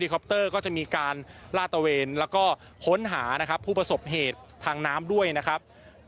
คอปเตอร์ก็จะมีการลาดตะเวนแล้วก็ค้นหานะครับผู้ประสบเหตุทางน้ำด้วยนะครับ